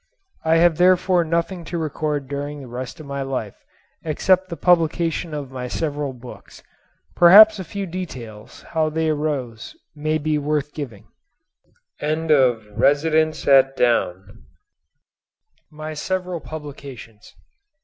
I have therefore nothing to record during the rest of my life, except the publication of my several books. Perhaps a few details how they arose may be worth giving. MY SEVERAL PUBLICATIONS.